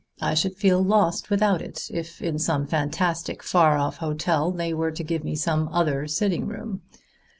I should feel lost without it if, in some fantastic, far off hotel, they were to give me some other sitting room.